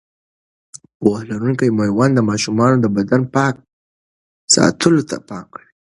پوهه لرونکې میندې د ماشومانو د بدن پاک ساتلو ته پام کوي.